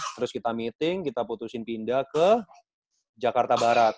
terus kita meeting kita putusin pindah ke jakarta barat